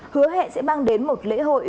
hứa hẹn sẽ mang đến một lễ hội